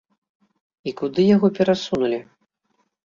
І куды яго перасунулі?